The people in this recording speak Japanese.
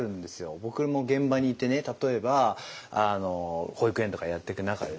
僕も現場にいてね例えば保育園とかやっていく中でね